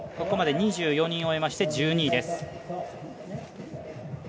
ここまで２４人終えまして１２位です。